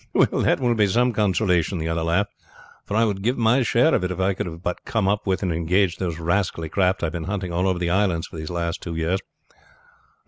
"That will be some consolation," the other laughed; "but I would give my share of it if I could but have come up with and engaged those rascally craft I have been hunting all over the islands for these last two years.